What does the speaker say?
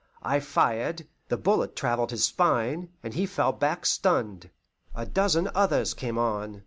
I fired; the bullet travelled his spine, and he fell back stunned. A dozen others came on.